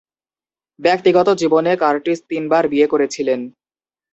ব্যক্তিগত জীবনে কার্টিস তিন বার বিয়ে করেছিলেন।